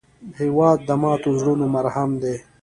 هېواد د ماتو زړونو مرهم دی.